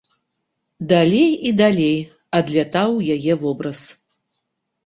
Далей і далей адлятаў яе вобраз.